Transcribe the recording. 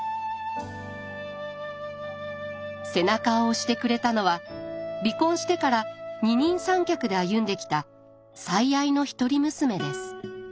背中を押してくれたのは離婚してから二人三脚で歩んできた最愛の一人娘です。